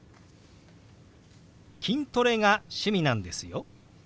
「筋トレが趣味なんですよ」。